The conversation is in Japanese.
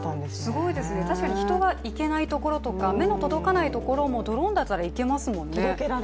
すごいですね、確かに人がいけないところとか、目が届かないところもドローンだったら行けますもんね。